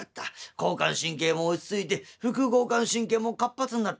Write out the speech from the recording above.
交感神経も落ち着いて副交感神経も活発になってきた。